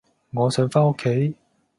我想返屋企